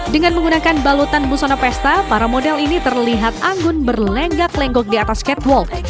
dengan menggunakan balutan busona pesta para model ini terlihat anggun berlenggak lenggok di atas catwalk